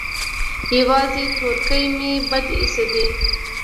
يوازې تورکى مې بد اېسېد.